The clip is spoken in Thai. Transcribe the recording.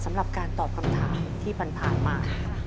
สำหรับการตอบคำถามที่ผ่านมา